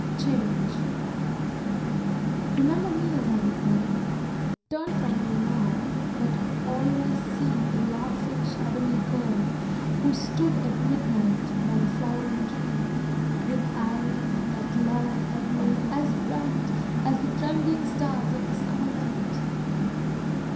Change Remember me as I was then; Turn from me now, but always see The laughing shadowy girl who stood At midnight by the flowering tree, With eyes that love had made as bright As the trembling stars of the summer night.